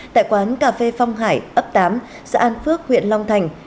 tại quán cà phê phong hải ấp tám xã an phước huyện long thành